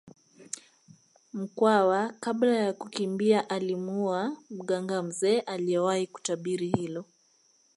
Mkwawa kabla ya kukimbia alimuua mganga mzee aliyewahi kutabiri hilo